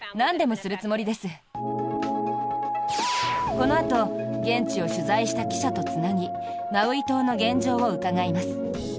このあと現地を取材した記者とつなぎマウイ島の現状を伺います。